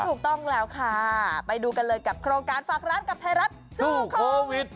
ถูกต้องแล้วค่ะไปดูกันเลยกับโครงการฝากร้านกับไทยรัฐสู้โควิด